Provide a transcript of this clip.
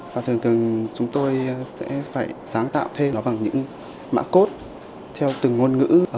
và thường thường chúng tôi sẽ phải sáng tạo thêm nó bằng những mã cốt theo từng ngôn ngữ